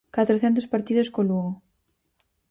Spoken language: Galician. Catrocentos partidos co Lugo.